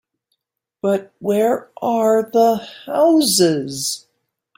But where are the houses?